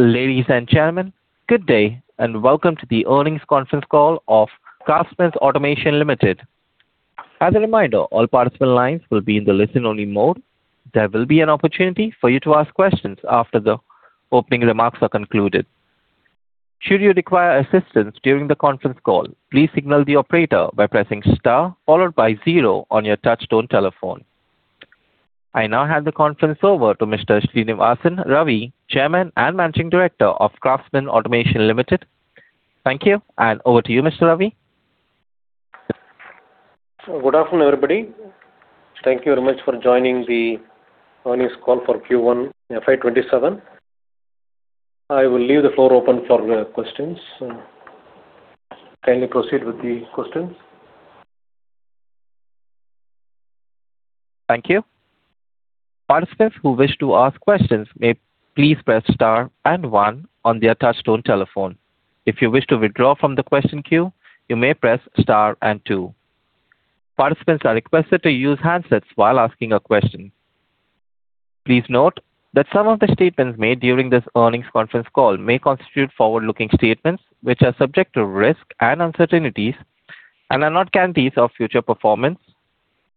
Ladies and gentlemen, good day, welcome to the earnings conference call of Craftsman Automation Limited. As a reminder, all participant lines will be in the listen-only mode. There will be an opportunity for you to ask questions after the opening remarks are concluded. Should you require assistance during the conference call, please signal the operator by pressing star followed by zero on your touchtone telephone. I now hand the conference over to Mr. Srinivasan Ravi, chairman and managing director of Craftsman Automation Limited. Thank you, over to you, Mr. Ravi. Good afternoon, everybody. Thank you very much for joining the earnings call for Q1 fiscal year 2027. I will leave the floor open for questions. Kindly proceed with the questions. Thank you. Participants who wish to ask questions may please press star and one on their touchtone telephone. If you wish to withdraw from the question queue, you may press star and two. Participants are requested to use handsets while asking a question. Please note that some of the statements made during this earnings conference call may constitute forward-looking statements, which are subject to risk and uncertainties and are not guarantees of future performance.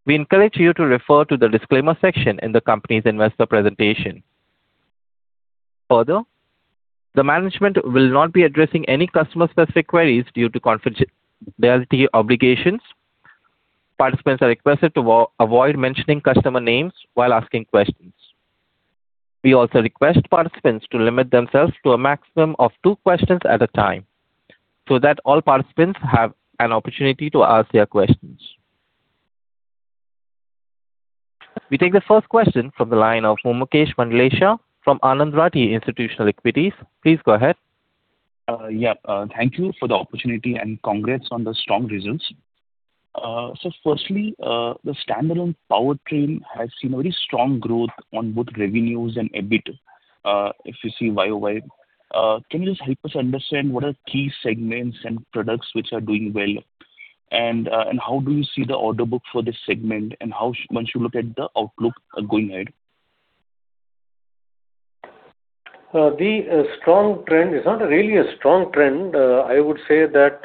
We encourage you to refer to the disclaimer section in the company's investor presentation. Further, the management will not be addressing any customer-specific queries due to confidentiality obligations. Participants are requested to avoid mentioning customer names while asking questions. We also request participants to limit themselves to a maximum of two questions at a time so that all participants have an opportunity to ask their questions. We take the first question from the line of Mumuksh Mandlesha from Anand Rathi Institutional Equities. Please go ahead. Firstly, thank you for the opportunity and congrats on the strong results. Firstly, the standalone powertrain has seen very strong growth on both revenues and EBIT, if you see year-on-year. Can you just help us understand what are key segments and products which are doing well? How do you see the order book for this segment, and once you look at the outlook going ahead? The strong trend is not really a strong trend. I would say that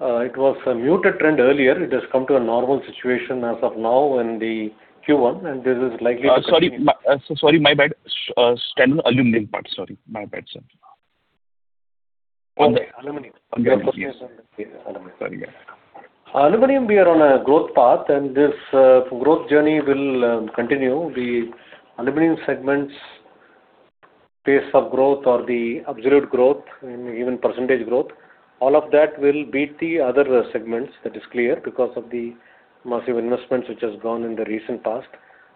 it was a muted trend earlier. It has come to a normal situation as of now in the Q1, and this is likely to continue. Sorry, my bad. Standard aluminum part. Sorry. My bad, sir. Okay. Aluminum. Yes. Sorry. Aluminum, we are on a growth path, and this growth journey will continue. The aluminum segment's pace of growth or the absolute growth and even percentage growth, all of that will beat the other segments. That is clear because of the massive investments which have gone in the recent past,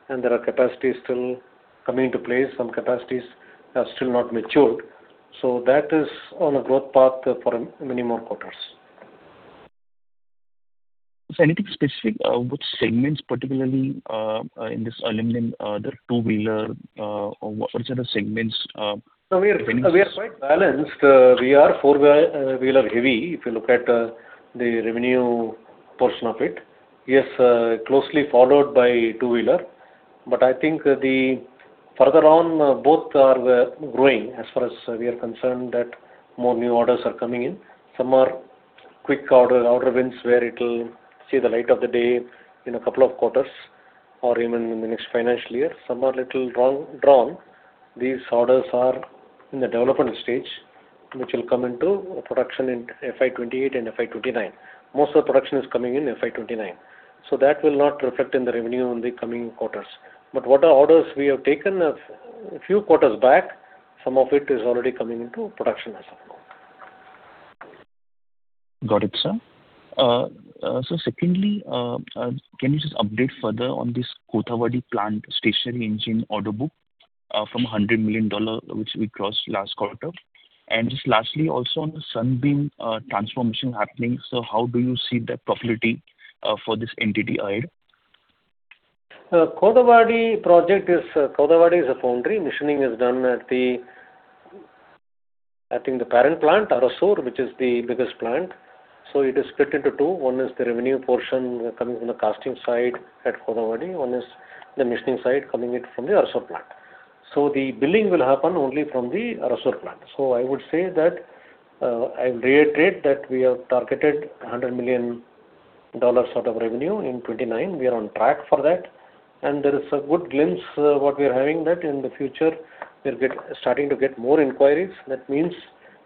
and there are capacities still coming into place. Some capacities have still not matured. That is on a growth path for many more quarters. Is there anything specific which segments particularly in this aluminum, the two-wheeler, or what are the segments? No, we are quite balanced. We are four-wheeler heavy, if you look at the revenue portion of it. Yes, closely followed by two-wheeler. I think further on, both are growing as far as we are concerned that more new orders are coming in. Some are quick order wins where it'll see the light of the day in a couple of quarters or even in the next financial year. Some are little drawn. These orders are in the development stage, which will come into production in fiscal year 2028 and fiscal year 2029. Most of the production is coming in fiscal year 2029. That will not reflect in the revenue in the coming quarters. What are orders we have taken a few quarters back, some of it is already coming into production as of now. Got it, sir. Secondly, can you just update further on this Kothavadi plant stationary engine order book from $100 million, which we crossed last quarter? Lastly, also on the Sunbeam transformation happening, how do you see the profitability for this entity ahead? Kothavadi is a foundry. Machining is done at the parent plant, Arasur, which is the biggest plant. It is split into two. One is the revenue portion coming from the casting side at Kothavadi. One is the machining side coming in from the Arasur plant. The billing will happen only from the Arasur plant. I would say that, I reiterate that we have targeted $100 million of revenue in 2029. We are on track for that, and there is a good glimpse what we are having that in the future, we're starting to get more inquiries. That means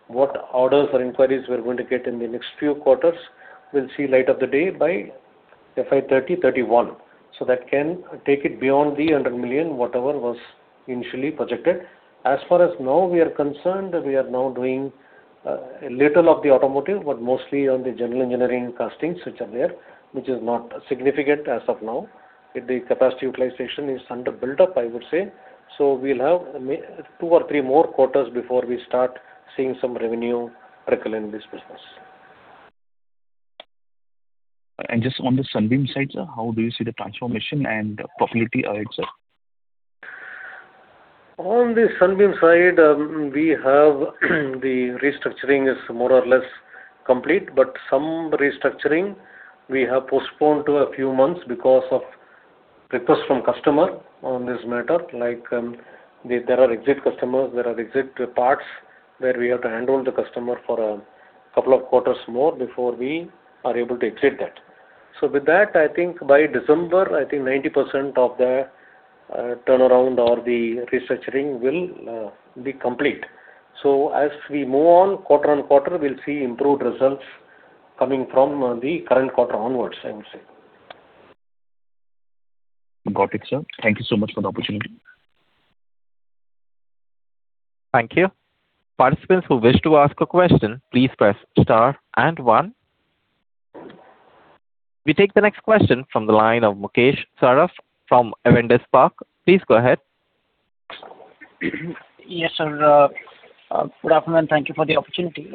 what orders or inquiries we're going to get in the next few quarters will see light of the day by fiscal year 2030, fiscal year 2031. That can take it beyond the $100 million, whatever was initially projected. As far as now we are concerned, we are now doing a little of the automotive, but mostly on the general engineering castings which are there, which is not significant as of now. The capacity utilization is under build-up, I would say. We'll have two or three more quarters before we start seeing some revenue trickle in this business. Just on the Sunbeam side, sir, how do you see the transformation and profitability ahead, sir? On the Sunbeam side, the restructuring is more or less complete. Some restructuring we have postponed to a few months because of request from customer on this matter. Like, there are exit customers, there are exit parts where we have to handle the customer for a couple of quarters more before we are able to exit that. With that, I think by December, I think 90% of the turnaround or the restructuring will be complete. As we move on quarter-on-quarter, we'll see improved results coming from the current quarter onwards, I would say. Got it, sir. Thank you so much for the opportunity. Thank you. Participants who wish to ask a question, please press star one. We take the next question from the line of Mukesh Saraf from Avendus Spark. Please go ahead. Yes, sir. Good afternoon. Thank you for the opportunity.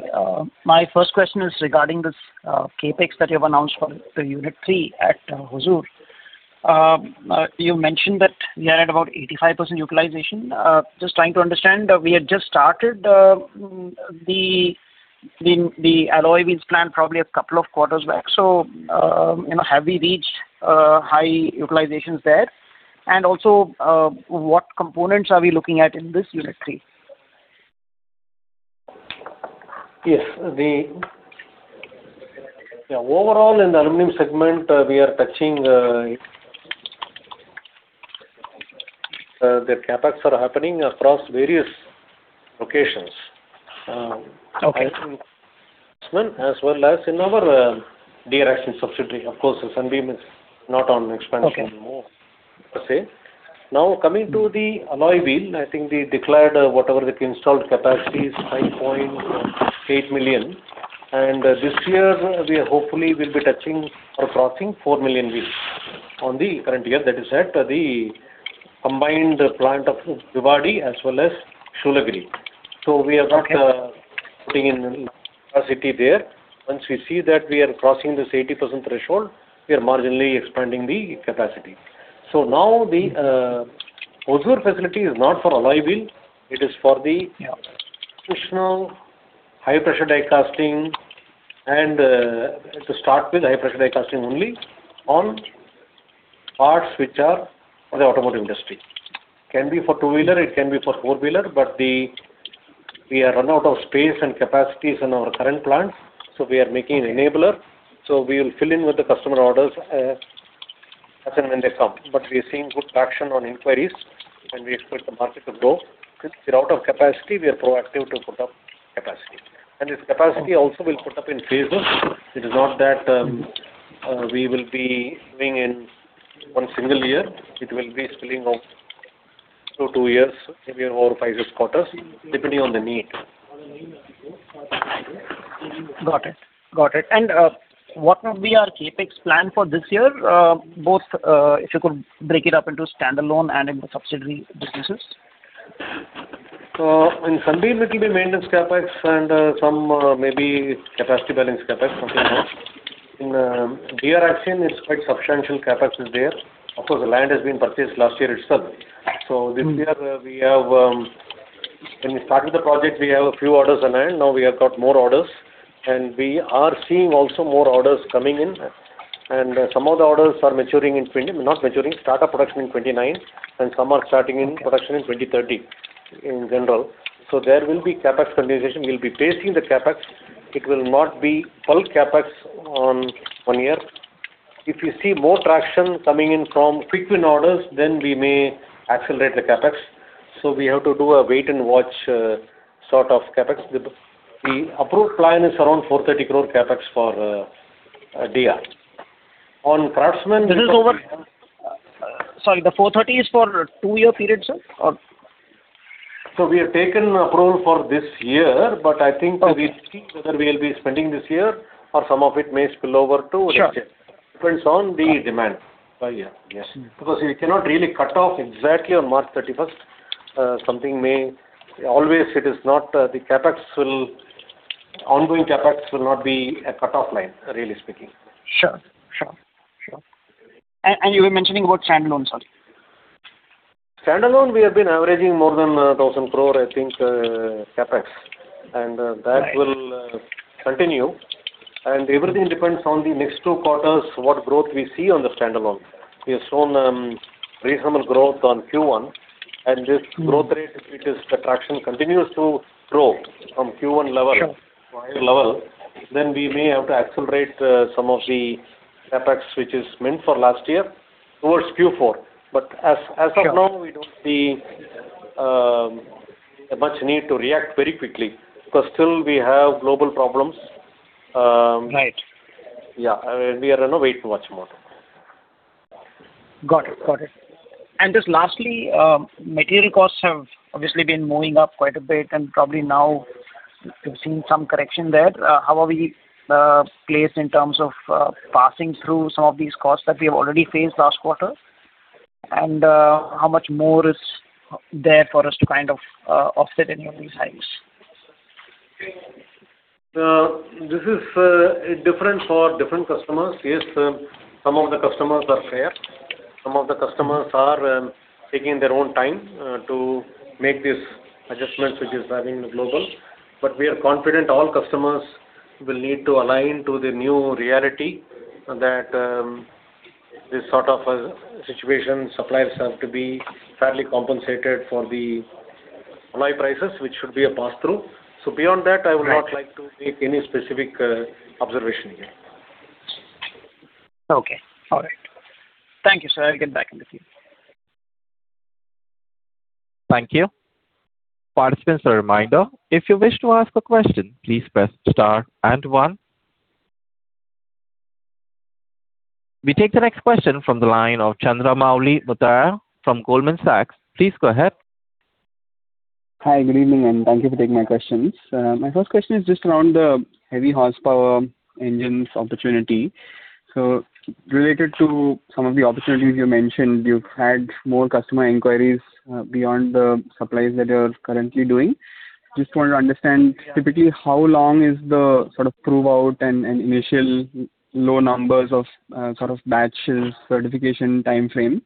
My first question is regarding this CapEx that you've announced for the Unit 3 at Hosur. You mentioned that you're at about 85% utilization. Just trying to understand, we had just started the alloy wheels plant probably a couple of quarters back. Have we reached high utilizations there? And also, what components are we looking at in this Unit 3? Yes. Overall in the aluminum segment, we are touching, the CapEx are happening across various locations. Okay. As well as in our DR Axion subsidiary. Of course, Sunbeam is not on expansion anymore per se. Coming to the alloy wheel, I think the declared whatever the installed capacity is 9.8 million. This year, we hopefully will be touching or crossing four million wheels on the current year. That is at the combined plant of Kothavadi as well as Shoolagiri. We have not putting in capacity there. Once we see that we are crossing this 80% threshold, we are marginally expanding the capacity. Now the Hosur facility is not for alloy wheel, it is for the additional high pressure die casting and to start with high pressure die casting only on parts which are for the automotive industry. Can be for two-wheeler, it can be for four-wheeler, we are run out of space and capacities in our current plants, we are making an enabler. We will fill in with the customer orders as and when they come. We are seeing good traction on inquiries and we expect the market to grow. Since we're out of capacity, we are proactive to put up capacity. This capacity also will put up in phases. It is not that we will be doing in one single year. It will be spilling off through two years, maybe over five, six quarters, depending on the need. Got it. What would be our CapEx plan for this year? Both, if you could break it up into standalone and into subsidiary businesses. In Sunbeam, it will be maintenance CapEx and some maybe capacity building CapEx, something like that. In DR Axion, it's quite substantial CapEx is there. Of course, the land has been purchased last year itself. This year, when we started the project, we have a few orders in hand. Now we have got more orders, and we are seeing also more orders coming in, and some of the orders start our production in fiscal year 2029, and some are starting in production in fiscal year 2030 in general. There will be CapEx standardization. We'll be pacing the CapEx. It will not be bulk CapEx on one year. If we see more traction coming in from frequent orders, we may accelerate the CapEx. We have to do a wait and watch sort of CapEx. The approved plan is around 430 crore CapEx for DR. Sorry, the 430 crore is for a two-year period, sir? We have taken approval for this year, I think we'll see whether we'll be spending this year or some of it may spill over to next year. Sure. Depends on the demand. Oh, yeah. Yes. We cannot really cut off exactly on March 31st. Always, the ongoing CapEx will not be a cut-off line, really speaking. Sure. You were mentioning about standalone, sorry. Standalone, we have been averaging more than 1,000 crore, I think, CapEx. Right. That will continue. Everything depends on the next two quarters, what growth we see on the standalone. We have shown reasonable growth on Q1 and this growth rate, if the traction continues to grow from Q1 level to higher level- Sure We may have to accelerate some of the CapEx which is meant for last year towards Q4. As of now, we don't see much need to react very quickly because still we have global problems. Right. We are in a wait and watch mode. Got it. Just lastly, material costs have obviously been moving up quite a bit and probably now we've seen some correction there. How are we placed in terms of passing through some of these costs that we have already faced last quarter? How much more is there for us to kind of offset any of these hikes? This is different for different customers. Yes, some of the customers are fair. Some of the customers are taking their own time to make these adjustments which is having global. We are confident all customers We'll need to align to the new reality that this sort of situation, suppliers have to be fairly compensated for the raw prices, which should be a pass through. Beyond that, I would not like to make any specific observation here. Okay. All right. Thank you, sir. I'll get back in with you. Thank you. Participants, a reminder. If you wish to ask a question, please press star and one. We take the next question from the line of Chandra Muthiah from Goldman Sachs. Please go ahead. Hi, good evening, and thank you for taking my questions. My first question is just around the heavy horsepower engines opportunity. Related to some of the opportunities you mentioned, you've had more customer inquiries beyond the supplies that you're currently doing. Just want to understand, typically, how long is the sort of prove out and initial low numbers of sort of batches certification timeframe,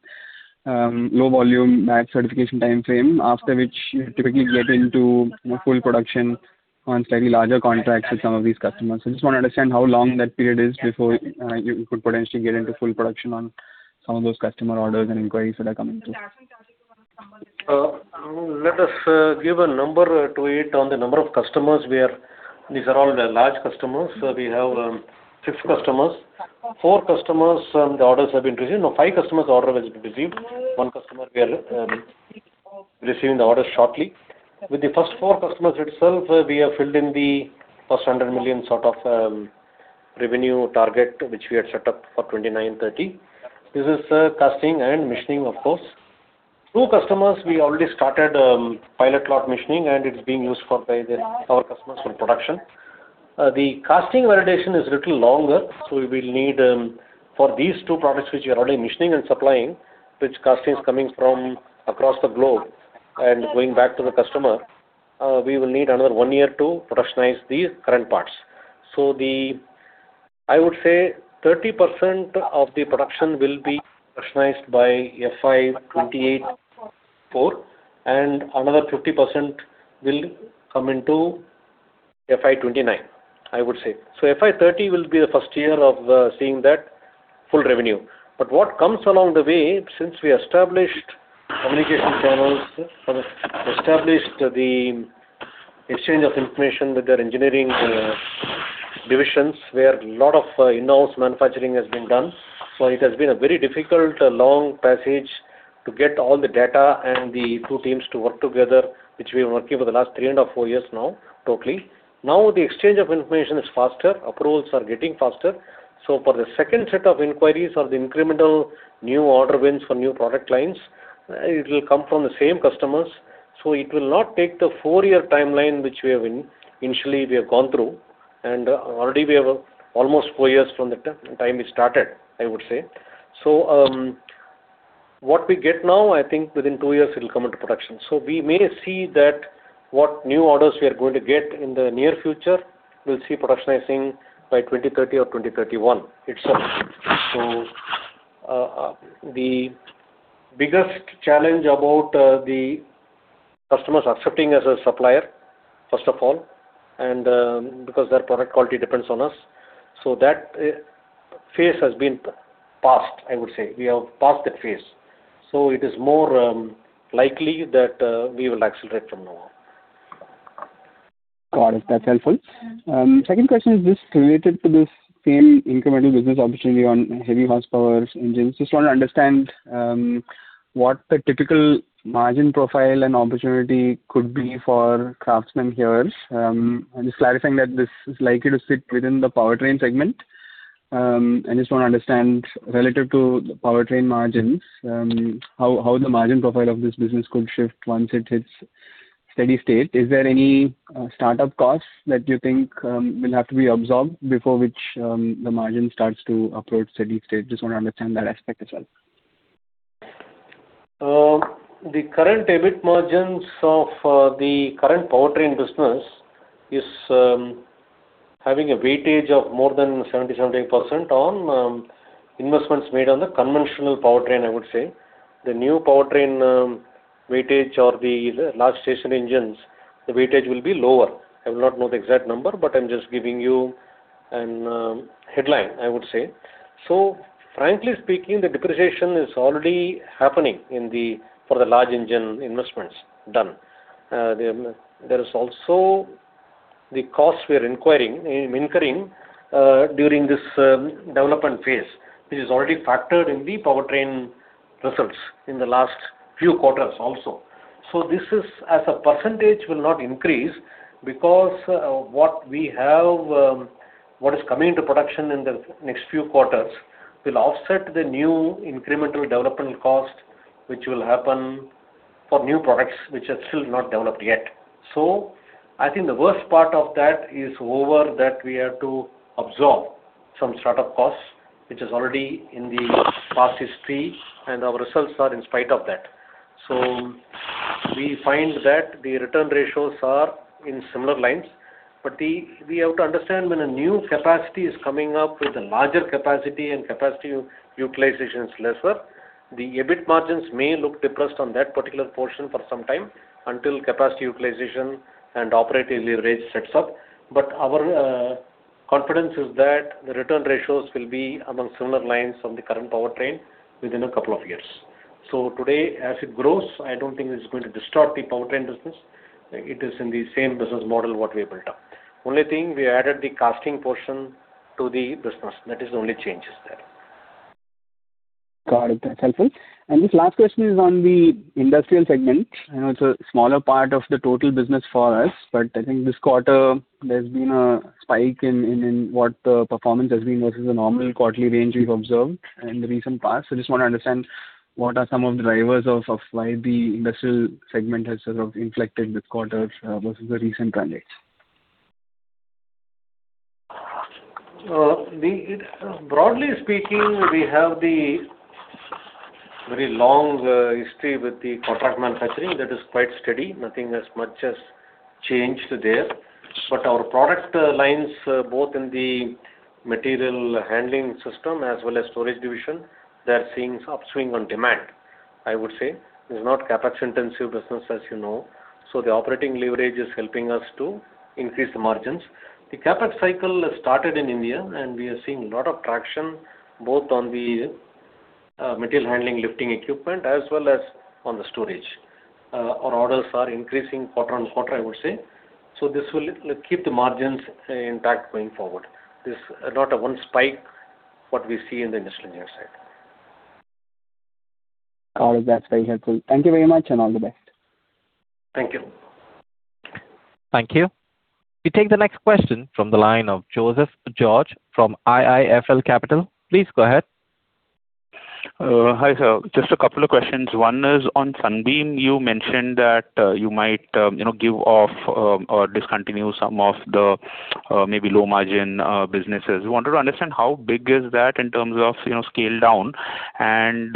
low volume batch certification timeframe, after which you typically get into full production on slightly larger contracts with some of these customers. Just want to understand how long that period is before you could potentially get into full production on some of those customer orders and inquiries that are coming through. Let us give a number to it on the number of customers we are. These are all the large customers. We have six customers. Four customers, the orders have been received. Five customers, the order has been received. One customer, we are receiving the orders shortly. With the first four customers itself, we have filled in the first $100 million sort of revenue target, which we had set up for 2029, 2030. This is casting and machining, of course. Two customers, we already started pilot lot machining, and it's being used by our customers for production. The casting validation is little longer. We will need, for these two products which we are already machining and supplying, which casting is coming from across the globe and going back to the customer, we will need another one year to productionize these current parts. I would say 30% of the production will be productionized by fiscal year 2028, and another 50% will come into fiscal year 2029, I would say. fiscal year 2030 will be the first year of seeing that full revenue. What comes along the way, since we established communication channels, established the exchange of information with their engineering divisions, where lot of in-house manufacturing has been done. It has been a very difficult, long passage to get all the data and the two teams to work together, which we're working for the last 3.5 years, four years now, totally. The exchange of information is faster, approvals are getting faster. For the second set of inquiries or the incremental new order wins for new product lines, it will come from the same customers. It will not take the four-year timeline which initially we have gone through. Already we have almost four years from the time we started, I would say. What we get now, I think within two years it will come into production. We may see that what new orders we are going to get in the near future, we'll see productionizing by 2030 or 2031 itself. The biggest challenge about the customers accepting us as a supplier, first of all, and because their product quality depends on us, that phase has been passed, I would say. We have passed that phase. It is more likely that we will accelerate from now on. Got it. That's helpful. Second question is just related to this same incremental business opportunity on heavy horsepower engines. Just want to understand what the typical margin profile and opportunity could be for Craftsman here. Just clarifiying that this is likely to sit within the powertrain segment. I just want to understand, relative to the powertrain margins, how the margin profile of this business could shift once it hits steady state. Is there any startup costs that you think will have to be absorbed before which the margin starts to approach steady state? Just want to understand that aspect as well. The current EBIT margins of the current powertrain business is having a weightage of more than 70%, 75% on investments made on the conventional powertrain, I would say. The new powertrain weightage or the large station engines, the weightage will be lower. I will not know the exact number, but I'm just giving you a headline, I would say. Frankly speaking, the depreciation is already happening for the large engine investments done. There is also the cost we're incurring during this development phase. This is already factored in the powertrain results in the last few quarters also. This is, as a percentage, will not increase because what is coming into production in the next few quarters will offset the new incremental development cost, which will happen for new products which are still not developed yet. I think the worst part of that is over, that we have to absorb some startup costs, which is already in the past history, and our results are in spite of that. We find that the return ratios are in similar lines. We have to understand when a new capacity is coming up with a larger capacity and capacity utilization is lesser, the EBIT margins may look depressed on that particular portion for some time until capacity utilization and operating leverage sets up. Our confidence is that the return ratios will be among similar lines from the current powertrain within a couple of years. Today, as it grows, I don't think it's going to distort the powertrain business. It is in the same business model what we built up. The only thing, we added the casting portion to the business. That is the only change there. Got it. That's helpful. This last question is on the industrial segment. I know it's a smaller part of the total business for us, but I think this quarter, there's been a spike in what the performance has been versus the normal quarterly range we've observed in the recent past. Just want to understand what are some of the drivers of why the industrial segment has sort of inflected this quarter versus the recent trends? Broadly speaking, we have the very long history with the contract manufacturing that is quite steady. Nothing as much has changed there. Our product lines, both in the material handling system as well as storage division, they are seeing upswing on demand, I would say. This is not CapEx intensive business, as you know, so the operating leverage is helping us to increase the margins. The CapEx cycle started in India, we are seeing lot of traction both on the material handling lifting equipment as well as on the storage. Our orders are increasing quarter-on-quarter, I would say. This will keep the margins intact going forward. This not a one spike, what we see in the industrial engineering side. Got it. That's very helpful. Thank you very much, and all the best. Thank you. Thank you. We take the next question from the line of Joseph George from IIFL Capital. Please go ahead. Hi, sir. Just a couple of questions. One is on Sunbeam. You mentioned that you might give off or discontinue some of the maybe low-margin businesses. Wanted to understand how big is that in terms of scale down and,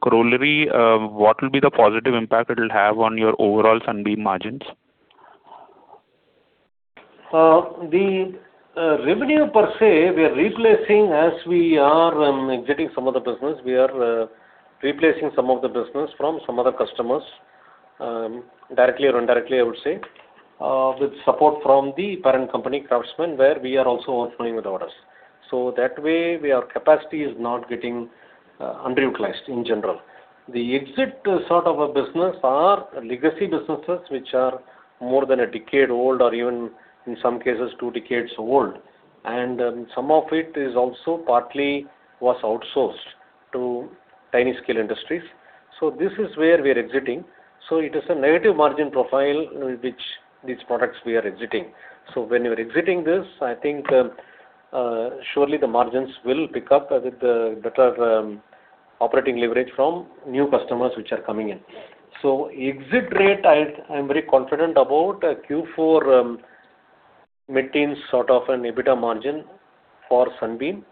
corollary, what will be the positive impact it'll have on your overall Sunbeam margins? The revenue per se, we are replacing as we are exiting some of the business. We are replacing some of the business from some other customers, directly or indirectly, I would say. With support from the parent company, Craftsman, where we are also offloading the orders. That way, our capacity is not getting underutilized in general. The exit sort of a business are legacy businesses, which are more than a decade old, or even in some cases, two decades old, and some of it is also partly was outsourced to tiny scale industries. This is where we're exiting. It is a negative margin profile which these products we are exiting. When you are exiting this, I think, surely the margins will pick up with the better operating leverage from new customers which are coming in. Exit rate, I'm very confident about Q4 maintains sort of an EBITDA margin for Sunbeam.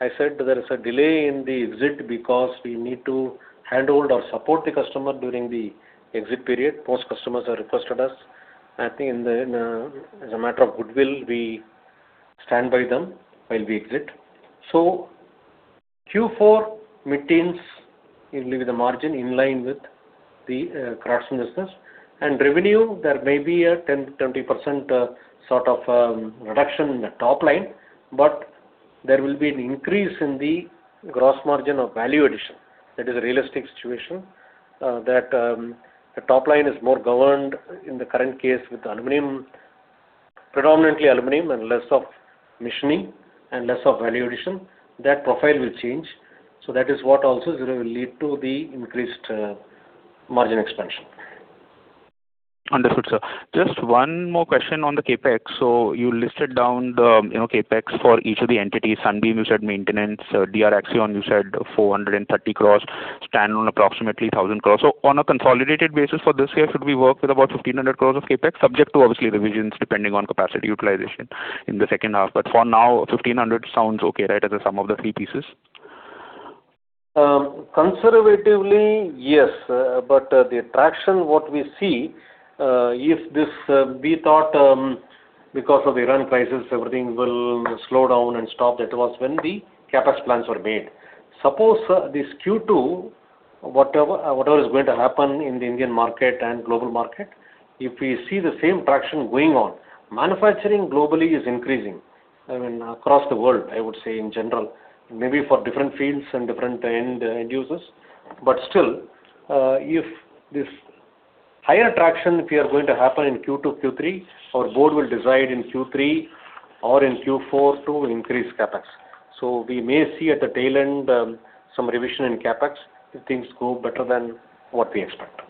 I said there is a delay in the exit because we need to handhold or support the customer during the exit period. Most customers have requested us. I think as a matter of goodwill, we stand by them while we exit. Q4 maintains, it will be the margin in line with the Craftsman business. Revenue, there may be a 10%-20% sort of a reduction in the top line, but there will be an increase in the gross margin of value addition. That is a realistic situation, that the top line is more governed in the current case with predominantly aluminum and less of machining and less of value addition. That profile will change. That is what also will lead to the increased margin expansion. Understood, sir. Just one more question on the CapEx. You listed down the CapEx for each of the entities. Sunbeam, you said maintenance. DR Axion, you said 430 crore, stand on approximately 1,000 crore. On a consolidated basis for this year, should we work with about 1,500 crore of CapEx subject to obviously revisions depending on capacity utilization in the second half. For now, 1,500 crore sounds okay, right, as a sum of the three pieces? Conservatively, yes. The traction what we see, if this be thought, because of the Iran crisis, everything will slow down and stop. That was when the CapEx plans were made. Suppose this Q2, whatever is going to happen in the Indian market and global market, if we see the same traction going on, manufacturing globally is increasing. I mean, across the world, I would say in general. Maybe for different fields and different end users. If this higher traction, if they are going to happen in Q2, Q3, our board will decide in Q3 or in Q4 to increase CapEx. We may see at the tail end some revision in CapEx if things go better than what we expect.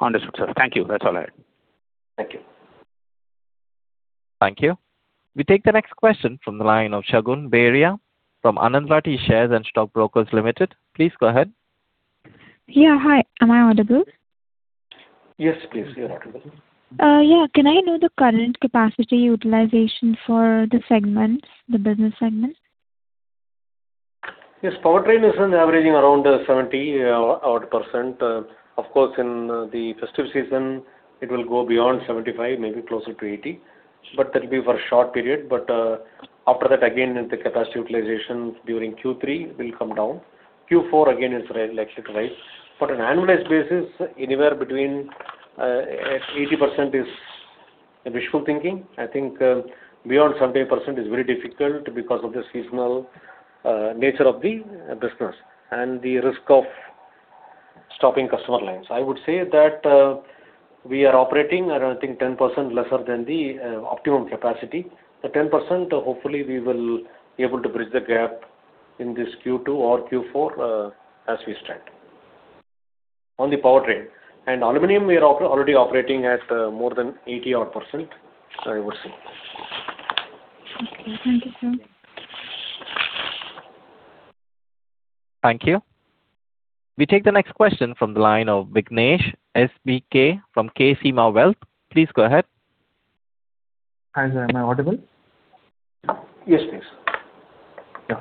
Understood, sir. Thank you. That's all I had. Thank you. Thank you. We take the next question from the line of Shagun Beria from Anand Rathi Shares and Stock Brokers Limited. Please go ahead. Yeah. Hi. Am I audible? Yes, please. You're audible. Yeah. Can I know the current capacity utilization for the segments, the business segments? Yes. Powertrain is averaging around 70%. Of course, in the festive season, it will go beyond 75%, maybe closer to 80%. That'll be for a short period. After that, again, the capacity utilization during Q3 will come down. Q4 again is likely to rise. But on an annualized basis, anywhere between 80% is wishful thinking. I think beyond 70% is very difficult because of the seasonal nature of the business and the risk of stopping customer lines. I would say that we are operating around, I think, 10% lesser than the optimum capacity. The 10%, hopefully we will be able to bridge the gap in this Q2 or Q4 as we stand on the powertrain. Aluminum, we are already operating at more than 80%, I would say. Okay. Thank you, sir. Thank you. We take the next question from the line of Vignesh SBK from Ksema Wealth. Please go ahead. Hi, sir. Am I audible? Yes, please. Yeah.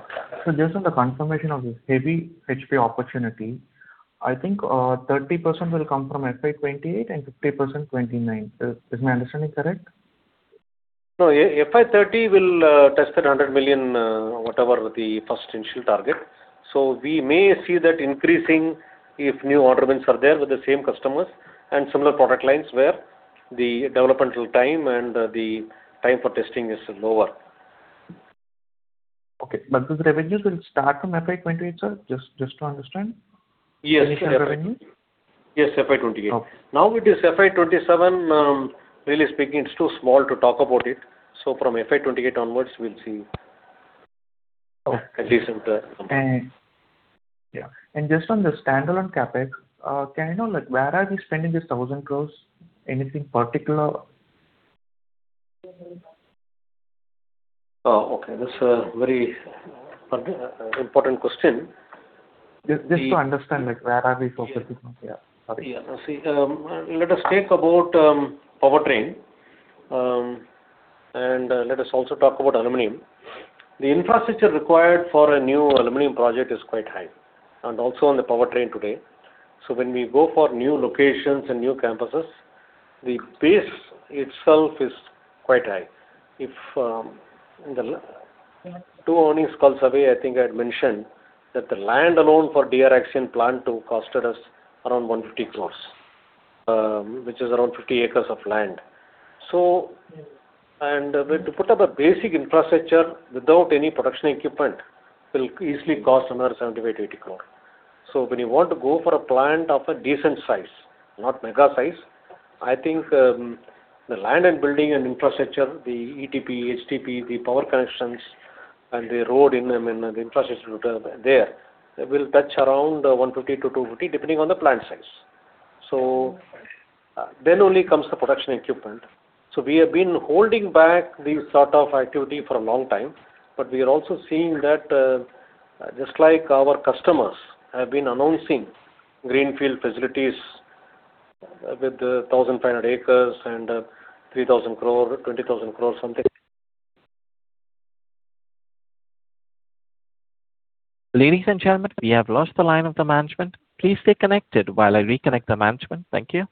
Just on the confirmation of the high HP opportunity, I think 30% will come from fiscal year 2028 and 50% fiscal year 2029. Is my understanding correct? No, fiscal year 2030 will test that $100 million, whatever the first initial target. We may see that increasing if new order wins are there with the same customers and similar product lines where the developmental time and the time for testing is lower. Okay. Those revenues will start from fiscal year 2028, sir? Just to understand. Yes. Initial revenue. Yes, fiscal year 2028. Okay. Now it is fiscal year 2027, really speaking, it's too small to talk about it. From fiscal year 2028 onwards, we'll see. Okay. A decent- And- Yeah. Just on the standalone CapEx, can I know where are we spending this 1,000 crore? Anything particular? Oh, okay. That's a very important question. Just to understand, where are we focusing? Yeah. Sorry. Let us take about powertrain, and let us also talk about aluminum. The infrastructure required for a new aluminum project is quite high, and also on the powertrain today. When we go for new locations and new campuses, the base itself is quite high. Two earnings calls away, I think I'd mentioned that the land alone for DR Axion Plant 2 costed us around 150 crore, which is around 50 acres of land. To put up a basic infrastructure without any production equipment will easily cost another 75 crore-80 crore. When you want to go for a plant of a decent size, not mega size, I think the land and building and infrastructure, the ETP, HT, the power connections, and the road infrastructure there, will touch around 150 crore-250 crore, depending on the plant size. Then only comes the production equipment. We have been holding back this sort of activity for a long time, we are also seeing that just like our customers have been announcing greenfield facilities with 1,500 acres and 3,000 crore, 20,000 crore. Ladies and gentlemen, we have lost the line of the management. Please stay connected while I reconnect the management. Thank you.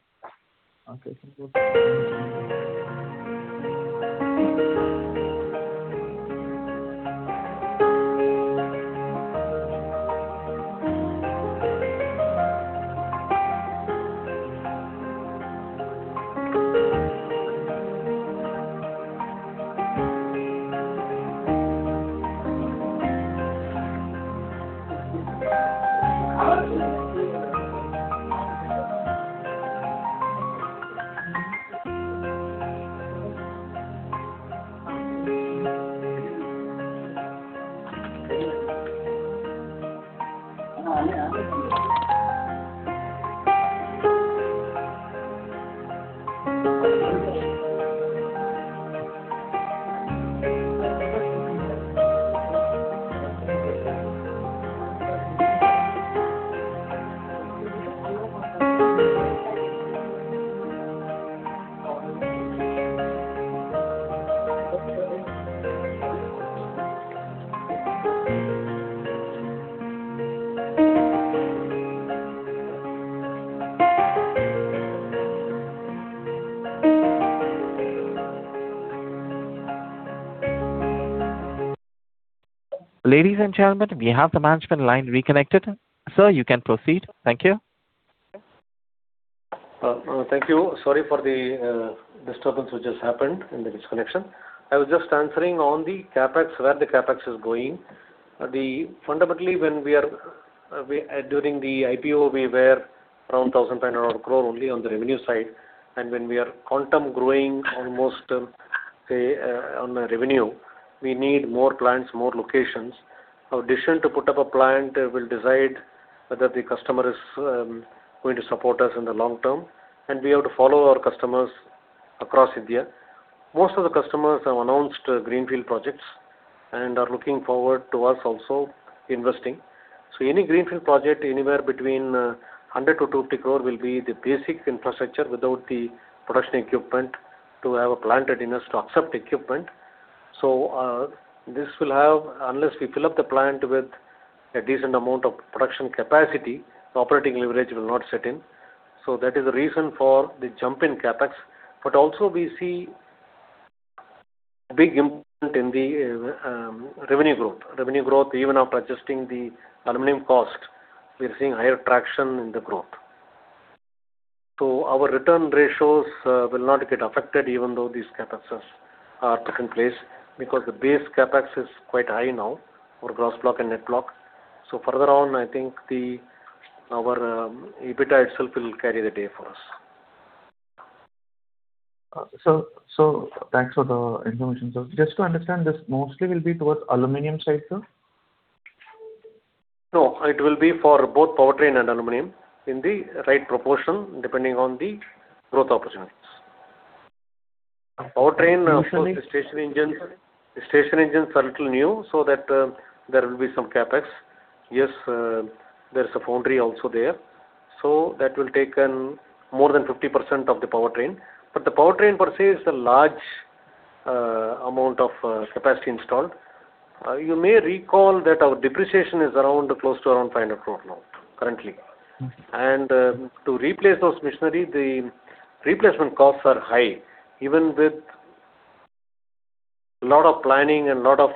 Ladies and gentlemen, we have the management line reconnected. Sir, you can proceed. Thank you. Thank you. Sorry for the disturbance which has happened in the disconnection. I was just answering on the CapEx, where the CapEx is going. Fundamentally, during the IPO, we were around 1,500 crore only on the revenue side. When we are quantum growing almost, say, on revenue, we need more plants, more locations. Our decision to put up a plant will decide whether the customer is going to support us in the long term, and we have to follow our customers across India. Most of the customers have announced greenfield projects and are looking forward to us also investing. Any greenfield project, anywhere between 100 crore-250 crore will be the basic infrastructure without the production equipment to have a plant that enough to accept equipment. Unless we fill up the plant with a decent amount of production capacity, the operating leverage will not set in. That is the reason for the jump in CapEx. Also we see big improvement in the revenue growth. Revenue growth, even after adjusting the aluminum cost, we are seeing higher traction in the growth. Our return ratios will not get affected even though these CapExes are put in place because the base CapEx is quite high now for gross block and net block. Further on, I think our EBITDA itself will carry the day for us. Thanks for the information, sir. Just to understand, this mostly will be towards aluminum side, sir? It will be for both powertrain and aluminum in the right proportion depending on the growth opportunities. Powertrain, of course, the station engines are a little new, so there will be some CapEx. Yes, there is a foundry also there. That will take more than 50% of the powertrain. But the powertrain per se is a large amount of capacity installed. You may recall that our depreciation is close to around 500 crore now currently. To replace those machinery, the replacement costs are high. Even with a lot of planning and lot of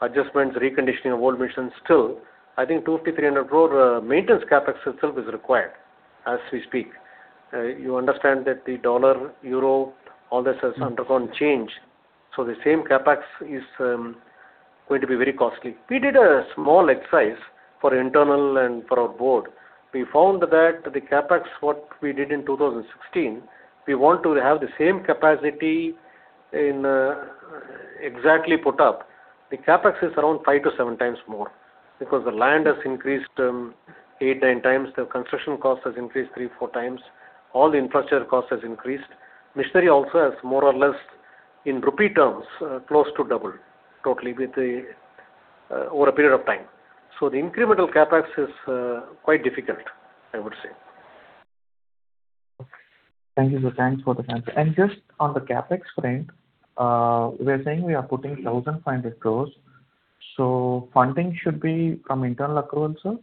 adjustments, reconditioning of old machines still, I think 250 crore-300 crore maintenance CapEx itself is required as we speak. You understand that the U.S. dollar, euro, all this has undergone change. The same CapEx is going to be very costly. We did a small exercise for internal and for our board. We found that the CapEx, what we did in 2016, we want to have the same capacity exactly put up. The CapEx is around 5x-7x more because the land has increased eight, nine times. The construction cost has increased 3x, 4x. All the infrastructure cost has increased. Machinery also has more or less in INR terms, close to double totally over a period of time. The incremental CapEx is quite difficult, I would say. Thank you, sir. Thanks for the answer. Just on the CapEx front, we are saying we are putting 1,500 crore. Funding should be from internal accrual, sir?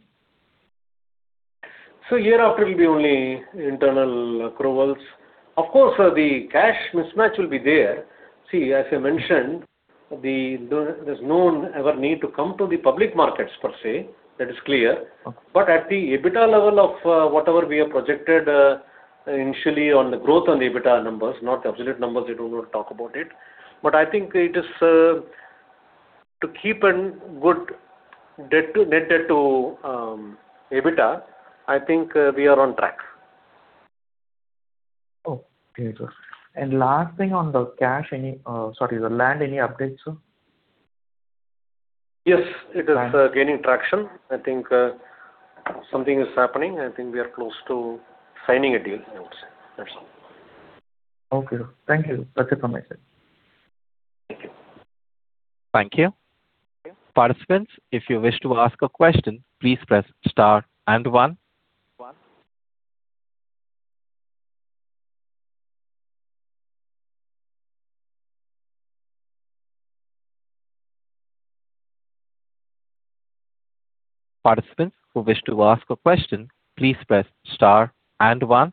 Hereafter it will be only internal accruals. Of course, sir, the cash mismatch will be there. As I mentioned, there's no ever need to come to the public markets per se. That is clear. At the EBITDA level of whatever we have projected initially on the growth on EBITDA numbers, not absolute numbers, we do not talk about it, but I think to keep a good net debt-to-EBITDA, I think we are on track. Okay, sir. Last thing on the land, any updates, sir? Yes, it is gaining traction. I think something is happening. I think we are close to signing a deal, I would say. That's all. Okay. Thank you. That's it from my side. Thank you. Thank you. Participants, if you wish to ask a question, please press star and one. Participants who wish to ask a question, please press star and one.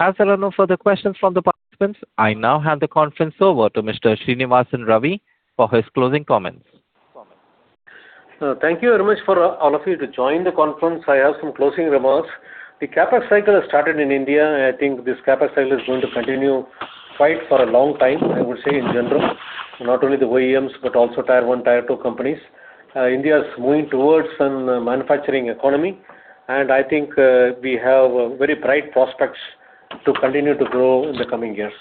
As there are no further questions from the participants, I now hand the conference over to Mr. Srinivasan Ravi for his closing comments. Thank you very much for all of you to join the conference. I have some closing remarks. The CapEx cycle has started in India. I think this CapEx cycle is going to continue quite for a long time, I would say in general. Not only the OEMs, but also Tier 1, Tier 2 companies. India is moving towards a manufacturing economy, and I think we have very bright prospects to continue to grow in the coming years.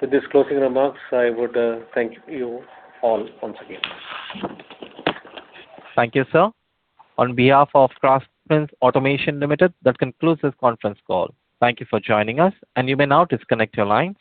With these closing remarks, I would thank you all once again. Thank you, sir. On behalf of Craftsman Automation Limited, that concludes this conference call. Thank you for joining us, and you may now disconnect your lines.